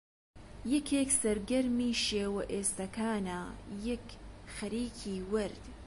یەکێک سەرگەرمی شێوە ئێستەکانە، یەک خەریکی وەرد